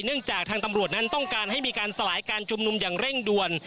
จากทางตำรวจนั้นต้องการให้มีการสลายการชุมนุมอย่างเร่งด่วน